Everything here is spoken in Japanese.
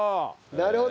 なるほど。